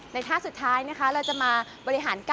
ในท่าสุดท้ายกล้ามเนื้อหัวไหล่์กันค่ะ